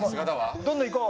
どんどんいこう！